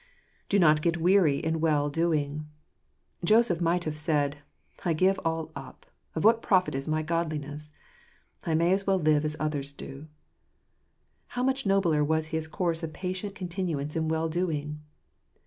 Do ?iot get weary in well doing. Joseph might have said, " I give all up ; of what profit is my godliness ? I may as well live as others do." How much nobler was his course of patient continuance in well doing